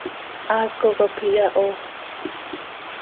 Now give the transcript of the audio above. Haaco cop iyahooxp.